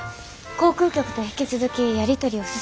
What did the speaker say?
航空局と引き続きやり取りを進めてます。